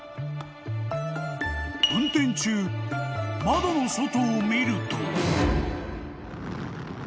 ［運転中窓の外を見ると］